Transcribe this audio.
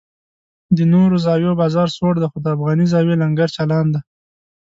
د نورو زاویو بازار سوړ دی خو د افغاني زاویې لنګر چالان دی.